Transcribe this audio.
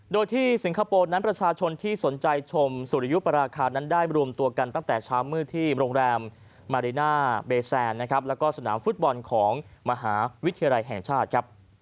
โดยที่สิงคโปร์นั้นประชาชนที่สนใจชมสุริยุปราคานั้นได้รวมตัวกันตั้งแต่เช้ามืดที่โรงแรมมาริน่าเบแซนนะครับแล้วก็สนามฟุตบอลของมหาวิทยาลัยแห่งชาติครับ